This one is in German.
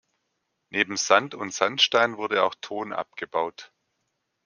Neben Sand und Sandstein wurde auch Ton abgebaut.